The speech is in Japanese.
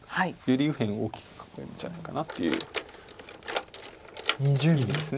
より右辺を大きく囲えるんじゃないかなっていう意味です